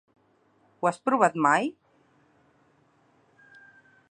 Ho has provat mai?